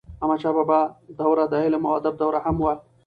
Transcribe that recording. احمدشاه بابا دوره د علم او ادب دوره هم وه.